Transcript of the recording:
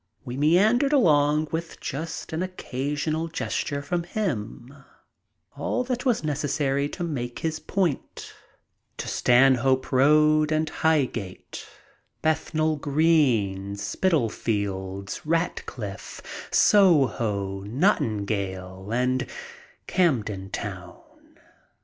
We meandered along with just an occasional gesture from him, all that was necessary to make his point. To Stanhope MEETING BURKE AND WELLS 95 Road and Highgate, Bethnal Green, Spitalfields, RatcHffe, Soho, Nottingdale, and Camdentown.